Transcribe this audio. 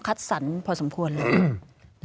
คัดสรรพอสมควรเลย